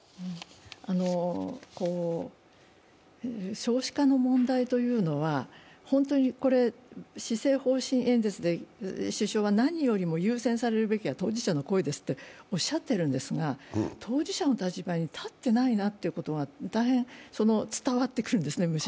少子化の問題というのは、施政方針演説で首相は何よりも優先されるべきは当事者の声ですとおっしゃってるんですが、当事者の立場に立ってないなということが大変、むしろ伝わってくるんですね